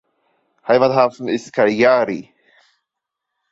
Heimathafen ist Cagliari.